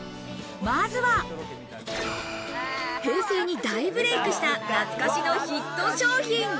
まずは、平成に大ブレイクした懐かしのヒット商品。